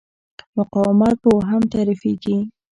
مقاومت په اوهم تعریفېږي.